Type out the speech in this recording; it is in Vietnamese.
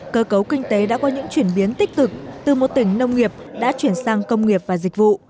cơ cấu kinh tế đã có những chuyển biến tích cực từ một tỉnh nông nghiệp đã chuyển sang công nghiệp và dịch vụ